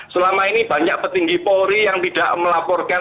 selama ini banyak petinggi polri yang tidak melaporkan